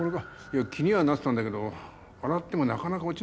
いや気にはなってたんだけど洗ってもなかなか落ちなくてな。